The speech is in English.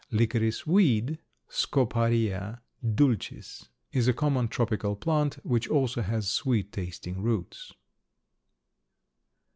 Licorice weed (Scoparia dulcis) is a common tropical plant which also has sweet tasting roots.